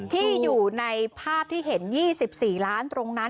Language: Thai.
ที่อยู่ในภาพที่เห็น๒๔ล้านตรงนั้น